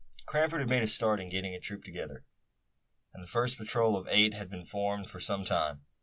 Cranford had made a start in getting a troop together, and the first patrol of eight had been formed for some time.